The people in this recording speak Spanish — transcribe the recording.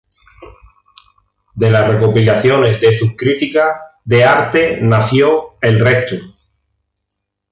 De las recopilaciones de sus críticas de arte nació "El resto.